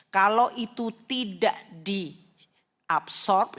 kalau itu tidak diabsorb